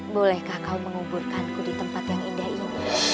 bolehkah kau menguburkanku di tempat yang indah ini